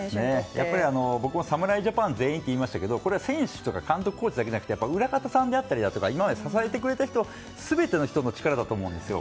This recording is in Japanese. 僕も侍ジャパン全員って言いましたけどこれは選手や監督コーチだけじゃなくて今まで支えてくれた人全ての人の力だと思うんですよ。